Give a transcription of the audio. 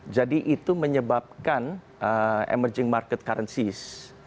jadi itu menyebabkan emerging market currencies